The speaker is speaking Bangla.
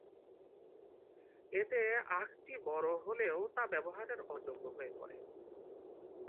এতে আখটি বড় হলেও তা ব্যবহারের অযোগ্য হয়ে পড়ে।